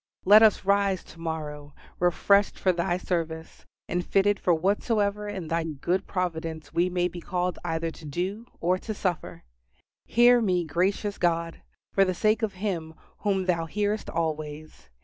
Let us rise to morrow refreshed for Thy service; and fitted for whatsoever in Thy good providence we may be called either to do or to suffer. Hear me, gracious God, for the sake of Him whom Thou hearest always.